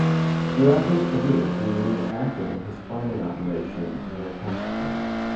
Throughout his career, he remained active in his farming operation near Casselton.